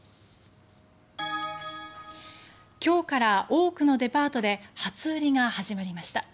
今日から多くのデパートで初売りが始まりました。